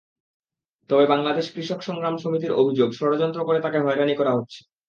তবে বাংলাদেশ কৃষক সংগ্রাম সমিতির অভিযোগ, ষড়যন্ত্র করে তাঁকে হয়রানি করা হচ্ছে।